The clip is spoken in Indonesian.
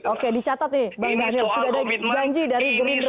oke dicatat nih bang daniel sudah ada janji dari gerindra